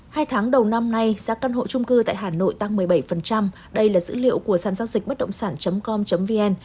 hai tháng đầu năm nay giá căn hộ trung cư tại hà nội tăng một mươi bảy đây là dữ liệu của sàn giao dịch bất động sản com vn